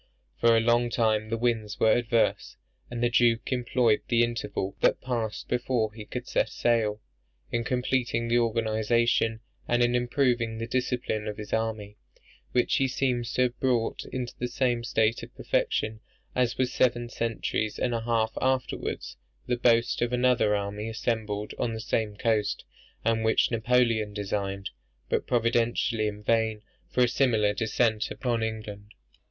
For a long time the winds were adverse; and the Duke employed the interval that passed before he could set sail in completing the organization and in improving the discipline of his army; which he seems to have brought into the same state of perfection, as was seven centuries and a half afterwards the boast of another army assembled on the same coast, and which Napoleon designed (but providentially in vain) for a similar descent upon England.